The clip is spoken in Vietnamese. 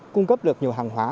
cung cấp được nhiều hàng hóa